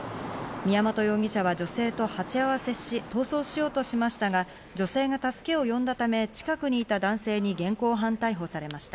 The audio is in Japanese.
宮本容疑者は女性とはち合わせし、逃走しようとしましたが、女性が助けを呼んだため、近くにいた男性に現行犯逮捕されました。